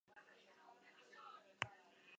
Dena dela liburua ez da elizaren testu ofiziala.